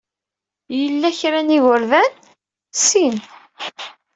Yella kra n yigerdan? Sin.